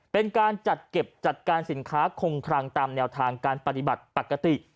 เป็นการจัดเก็บจัดการสินค้าคงคลังตามแนวทางการปฏิบัติปกติ